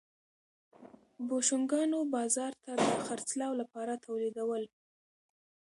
بوشونګانو بازار ته د خرڅلاو لپاره تولیدول.